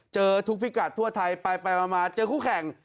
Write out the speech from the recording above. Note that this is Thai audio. เจอทุกพิกัดทั่วไทยไปมาเจอคู่แข่ง